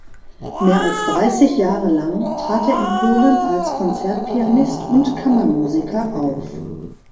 Mehr als dreißig Jahre lang trat er in Polen als Konzertpianist und Kammermusiker auf.